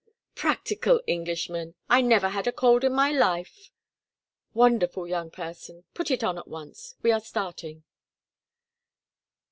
"Practical Englishman! I never had a cold in my life." "Wonderful young person! Put it on at once. We are starting."